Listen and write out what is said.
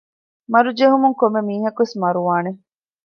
މަރު ޖެހުމުން ކޮންމެ މީހަކުވެސް މަރުވާނެ